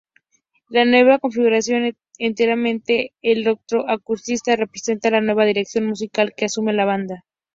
La nueva configuración enteramente electro-acústica representa la nueva dirección musical que asume la banda.